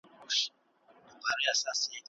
هر ثبت شوی کلیپ پښتو ته یو نوی فرصت دی.